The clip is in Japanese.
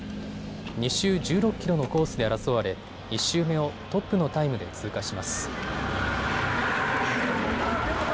２周１６キロのコースで争われ１周目をトップのタイムで通過します。